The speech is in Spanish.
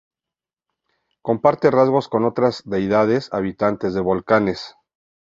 Comparte rasgos con otras deidades habitantes de volcanes.